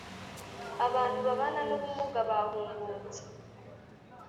abantu babana n ubumuga bahungutse